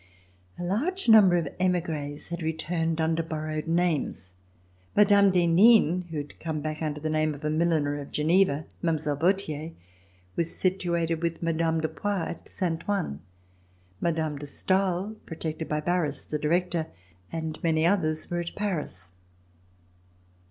A large number of emigres had returned under borrowed names. Mme. d'Henin, who had come back under the name of a milliner of Geneva, Mile. Vauthler, was situated with Mme. de Poix at Saint Ouen. Mme. de Stael, protected by Barras, the Director, and many others were at Paris.